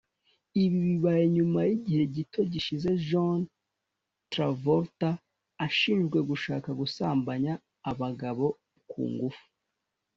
Ibi bibaye nyuma y’igihe gito gishize John Travolta ashinjwe gushaka gusambanya abagabo ku ngufu